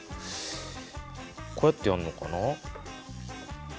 こうやってやんのかな。